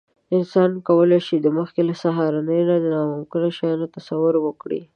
انسان کولی شي، مخکې له سهارنۍ د ناممکنو شیانو تصور وکړي.